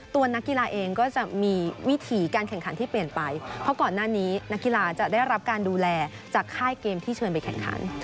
ตัวนักกีฬาเองก็จะมีวิถีการแข่งขันที่เปลี่ยนไปเพราะก่อนหน้านี้นักกีฬาจะได้รับการดูแลจากค่ายเกมที่เชิญไปแข่งขัน